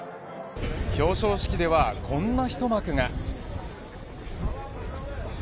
表彰式では、こんな一幕が。